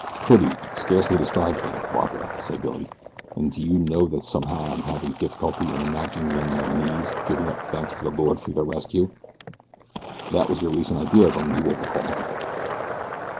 "'Pretty' scarcely describes them, Barbara," said Billy; "and do you know that somehow I am having difficulty in imagining them on their knees giving up thanks to the Lord for their rescue that was your recent idea of 'em, you will recall."